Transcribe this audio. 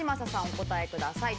お答えください。